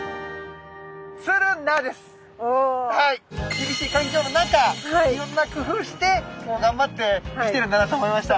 厳しい環境の中いろんな工夫して頑張って生きてるんだなと思いました。